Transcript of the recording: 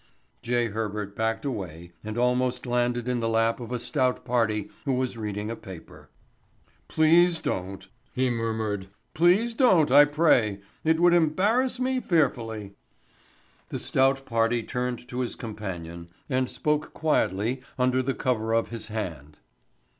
J. Herbert backed away and almost landed in the lap of a stout party who was reading a paper. "Please don't," he murmured. "Please don't, I pray. It would embarrass me fearfully." The stout party turned to his companion and spoke quietly under the cover of his hand.